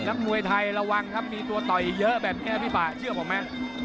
มวยไทยระวังครับมีตัวต่อยเยอะแบบนี้พี่ป่าเชื่อผมไหม